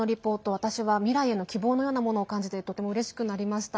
私は未来への希望のようなものを感じてとてもうれしくなりました。